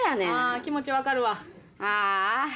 気持ちわかるわ。